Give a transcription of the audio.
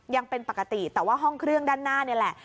ยังเป็นปกติแต่ว่าห้องเครื่องด้านหน้านี่แหละ